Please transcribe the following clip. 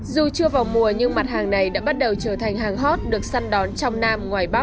dù chưa vào mùa nhưng mặt hàng này đã bắt đầu trở thành hàng hot được săn đón trong nam ngoài bắc